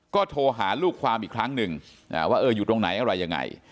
ก็โทรหาลูกความอีกครั้งหนึ่งว่าเอออยู่ตรงไหนอะไรยังไง